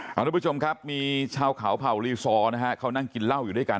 คุณผู้ชมครับมีชาวเขาเผ่าลีซอร์นะฮะเขานั่งกินเหล้าอยู่ด้วยกัน